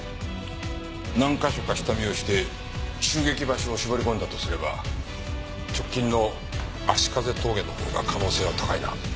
何か所か下見をして襲撃場所を絞り込んだとすれば直近の葦風峠のほうが可能性は高いな。